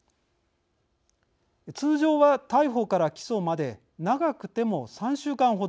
通常は逮捕から起訴まで長くても３週間程。